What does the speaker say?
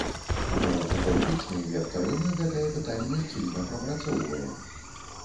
Ну, у палітычным вектары мы гэтае пытанне шчыльна прапрацоўваем.